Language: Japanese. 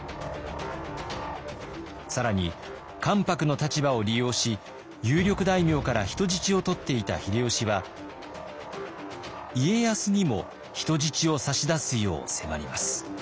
更に関白の立場を利用し有力大名から人質を取っていた秀吉は家康にも人質を差し出すよう迫ります。